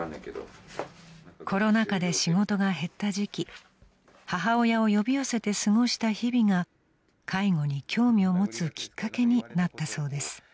［コロナ禍で仕事が減った時期母親を呼び寄せて過ごした日々が介護に興味を持つきっかけになったそうです］